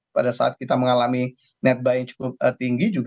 pada saat kita mengalami net buy yang cukup tinggi